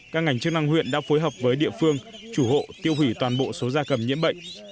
các ngành chức năng huyện đã phối hợp với địa phương chủ hộ tiêu hủy toàn bộ số gia cầm nhiễm bệnh